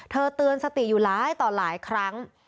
เตือนสติอยู่หลายต่อหลายครั้ง